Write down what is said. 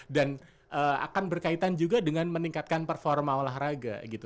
dan akan berkaitan juga dengan meningkatkan performa olahraga gitu